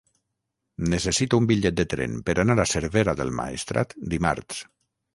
Necessito un bitllet de tren per anar a Cervera del Maestrat dimarts.